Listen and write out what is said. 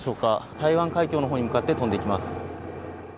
台湾海峡の方に向かって飛んできます。